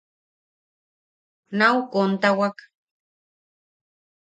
Nau kontawak.